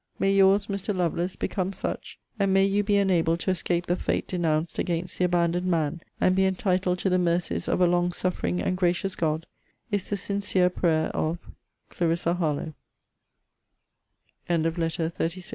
May your's, Mr. Lovelace, become such! and may you be enabled to escape the fate denounced against the abandoned man, and be entitled to the mercies of a long suffering and gracious God, is the sincere prayer of CLARISSA HARLOWE